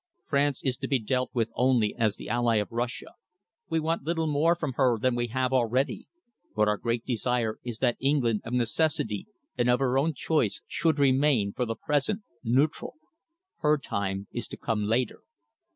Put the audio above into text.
France is to be dealt with only as the ally of Russia. We want little more from her than we have already. But our great desire is that England of necessity and of her own choice, should remain, for the present, neutral. Her time is to come later.